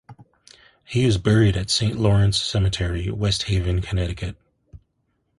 He is buried at Saint Lawrence Cemetery, West Haven, Connecticut.